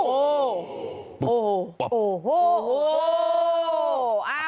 โอ้โหโอ้โหโอ้โห